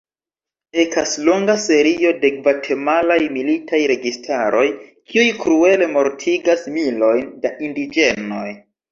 Ekas longa serio de gvatemalaj militaj registaroj, kiuj kruele mortigas milojn da indiĝenoj.